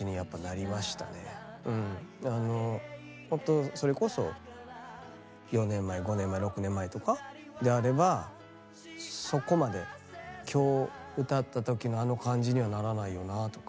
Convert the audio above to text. いやあのほんとそれこそ４年前５年前６年前とかであればそこまで今日歌った時のあの感じにはならないよなあとか。